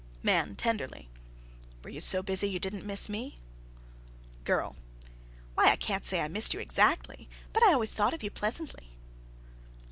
_) MAN. (Tenderly.) "Were you so busy you didn't miss me?" GIRL. "Why, I can't say I missed you, exactly, but I always thought of you pleasantly."